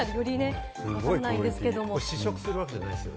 試食するわけじゃないですよ